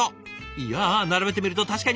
いや並べてみると確かに大きい！